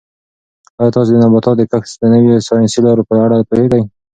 آیا تاسو د نباتاتو د کښت د نویو ساینسي لارو په اړه پوهېږئ؟